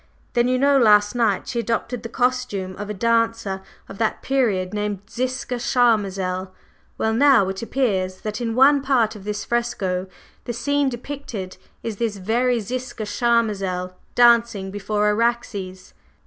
Then you know last night she adopted the costume of a dancer of that period, named Ziska Charmazel. Well, now it appears that in one part of this fresco the scene depicted is this very Ziska Charmazel dancing before Araxes."